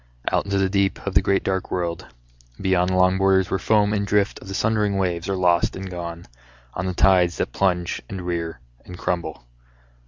Out into the deep of the great dark world, Beyond the long borders where foam and drift Of the sundering waves are lost and gone On the tides that plunge and rear and crumble.